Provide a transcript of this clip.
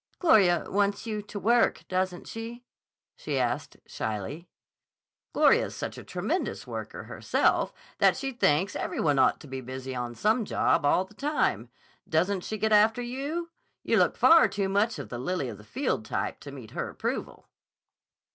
"Gloria wants you to work, doesn't she?" she asked shyly. "Gloria's such a tremendous worker, herself, that she thinks every one ought to be busy on some job all the time. Doesn't she get after you? You look far too much of the lily of the field type to meet her approval."